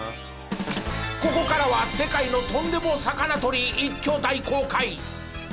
ここからは世界のトンデモ魚とり一挙大公開！